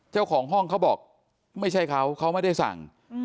เจ้าของห้องเขาบอกไม่ใช่เขาเขาไม่ได้สั่ง